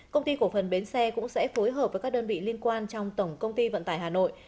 công ty cổ phần bến xe cũng sẽ phối hợp với các đơn vị liên quan trong tổng công ty vận tải hà nội